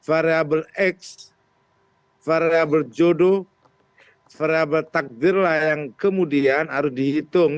ada faktor x faktor jodoh faktor takdir yang kemudian harus dihitung